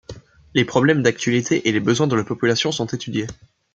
Les problèmes d'actualité et les besoins de la population sont étudiés.